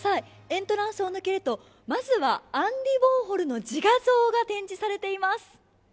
エントランスを抜けるとまずはアンディ・ウォーホルの自画像が展示されています。